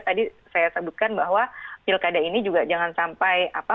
tadi saya sebutkan bahwa pilkada ini juga jangan sampai